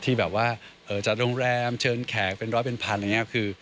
ที่แบบว่าจัดโรงแรมเชิญแขกเป็นร้อยเป็นพัน